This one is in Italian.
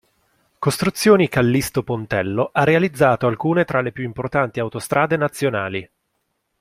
Costruzioni Callisto Pontello", ha realizzato alcune tra le più importanti autostrade nazionali.